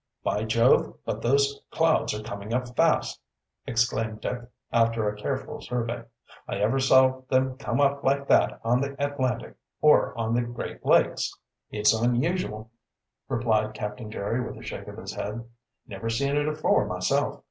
"By Jove, but those clouds are coming up fast!" exclaimed Dick, after a careful survey. "I ever saw them come up like that on the Atlantic, or on the Great Lakes." "It's unusual," replied Captain Jerry, with a shake of his head. "Never seen it afore myself.